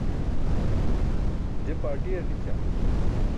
je parṭiyar nićam